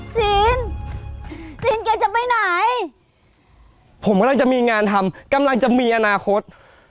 ใช่ชิ้นชิ้นก็จะไปไหนผมกำลังจะมีงานทำกำลังจะมีอนาคต